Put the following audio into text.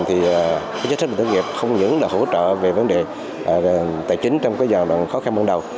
thì xí xách bảo hiểm thất nghiệp không những là hỗ trợ về vấn đề tài chính trong cái dòng khó khăn bắt đầu